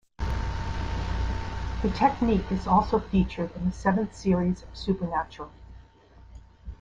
The technique is also featured in the seventh series of "Supernatural".